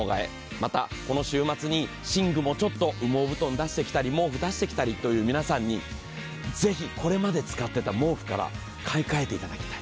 またこの週末に寝具も羽毛布団出してきたり、毛布を出してきたりぜひこれまで使っていた毛布から買い換えていただきたい。